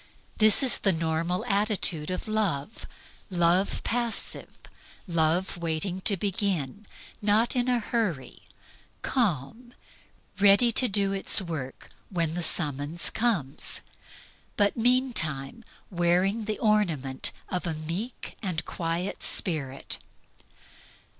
This is the normal attitude of love; Love passive, Love waiting to begin; not in a hurry; calm; ready to do its work when the summons comes, but meantime wearing the ornament of a meek and quiet spirit.